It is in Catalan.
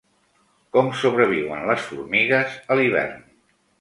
Com sobreviuen les formigues a l'hivern?